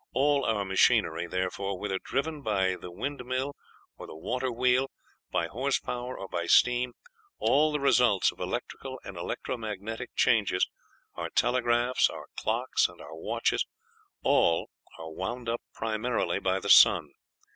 All our machinery, therefore, whether driven by the windmill or the water wheel, by horse power or by steam all the results of electrical and electro magnetic changes our telegraphs, our clocks, and our watches, all are wound up primarily by the sun.